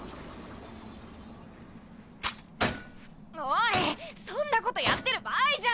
おいそんなことやってる場合じゃ。